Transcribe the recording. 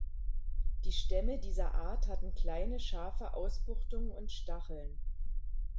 Die Stämme dieser Art hatten kleine scharfe Ausbuchtungen und Stacheln.